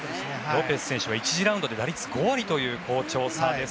ロペス選手は１次ラウンドで打率５割という好調さです。